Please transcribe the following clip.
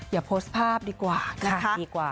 อย่าโพสต์ภาพดีกว่านะคะดีกว่า